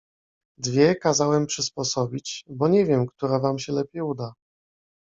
Dwie kazałem przysposobić, bo nie wiem, która wam się lepiej uda.